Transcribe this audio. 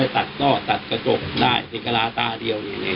ตัดต้อตัดกระจกได้ในก็ตราตาเดียวเนี่ย